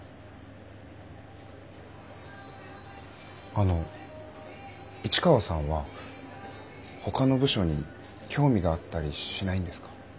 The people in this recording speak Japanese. あの市川さんはほかの部署に興味があったりしないんですか？